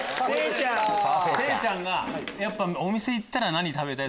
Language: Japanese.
聖ちゃんがお店行ったら何食べたい？